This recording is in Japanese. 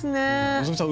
希さん